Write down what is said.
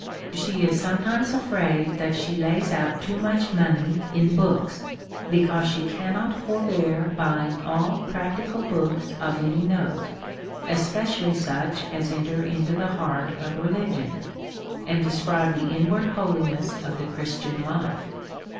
She is sometimes afraid that she lays out too much money in books, be cause she cannot forbear buying all practical books of any note, especially such as enter into tlic heart of re ligion, and describe the inward holiness of tlie Chris tian life.